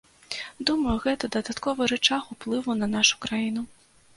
Думаю, гэта дадатковы рычаг уплыву на нашу краіну.